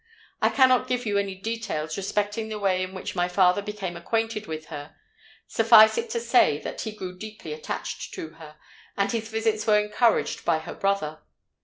I cannot give you any details respecting the way in which my father became acquainted with her: suffice it to say that he grew deeply attached to her, and his visits were encouraged by her brother.